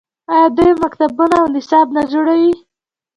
آیا دوی مکتبونه او نصاب نه جوړوي؟